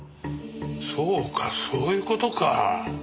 そうかそういう事か。